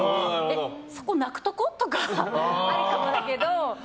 そこ泣くとこ？とかあるかもだけど。